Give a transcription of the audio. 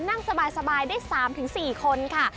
นั่งสบายได้๓๔คนค่ะ